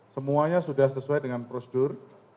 semuanya sudah sesuai dengan prosedur